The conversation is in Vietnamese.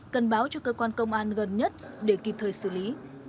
cần báo cho cơ quan công an gần nhất để kịp thời xử lý